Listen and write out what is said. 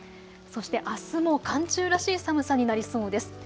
そして、あすも寒中らしい寒さになりそうです。